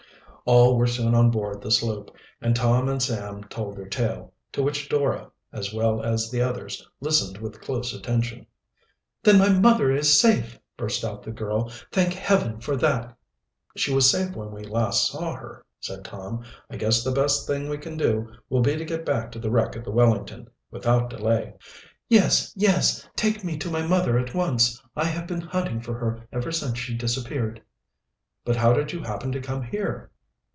All were soon on board the sloop, and Tom and Sam told their tale, to which Dora, as well as the others, listened with close attention. "Then my mother is safe!" burst out the girl. "Thank Heaven for that!" "She was safe when last we saw her," said Tom. "I guess the best thing we can do will be to get back to the wreck of the Wellington without delay." "Yes! yes! take me to my mother at once. I have been hunting for her ever since she disappeared." "But how did you happen to come here?"